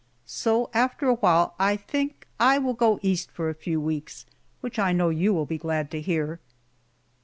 So after a while I think I will go East for a few weeks, which I know you will be glad to hear.